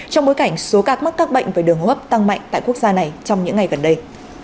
trong bối cảnh số ca mắc các bệnh về đường hấp tăng mạnh tại quốc gia này trong những ngày gần đây